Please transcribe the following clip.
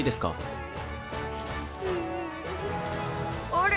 あれ？